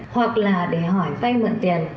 hoặc là để hỏi vay mượn tiền